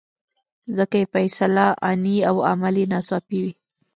ځکه یې فیصله آني او عمل یې ناڅاپي وي.